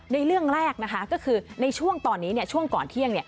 เรื่องแรกนะคะก็คือในช่วงตอนนี้ช่วงก่อนเที่ยง